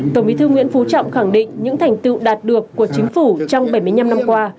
tổng bí thư nguyễn phú trọng khẳng định những thành tựu đạt được của chính phủ trong bảy mươi năm năm qua